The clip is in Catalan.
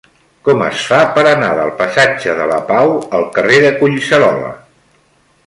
Com es fa per anar del passatge de la Pau al carrer de Collserola?